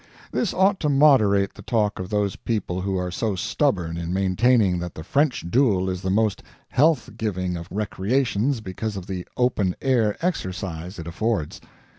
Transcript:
This ought to moderate the talk of those people who are so stubborn in maintaining that the French duel is the most health giving of recreations because of the open air exercise it affords.